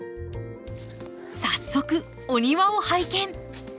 早速お庭を拝見。